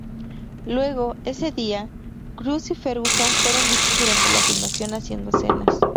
Luego, ese día, Cruise y Ferguson fueron vistos durante la filmación haciendo escenas.